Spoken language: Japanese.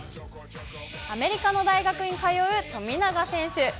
アメリカの大学に通う富永選手。